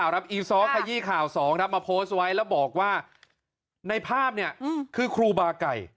ในภาพนี้คือครูบาไก่